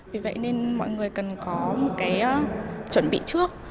vì vậy nên mọi người cần có một cái chuẩn bị trước